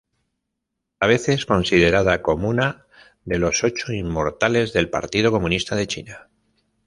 A veces considerada como una de los Ocho Inmortales del Partido Comunista de China.